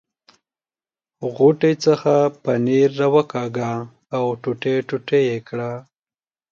غوټې څخه پنیر را وکاږه او ټوټې ټوټې یې کړ.